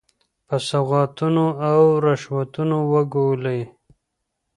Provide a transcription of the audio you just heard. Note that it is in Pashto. په سوغاتونو او رشوتونو ولګولې.